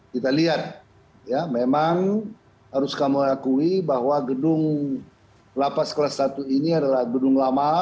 kita lihat ya memang harus kamu akui bahwa gedung lapas kelas satu ini adalah gedung lama